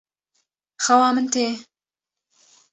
Xewa min tê.